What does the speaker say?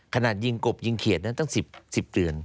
ขนาดยิงกบยิงเขียดนั้นตั้ง๑๐เตือน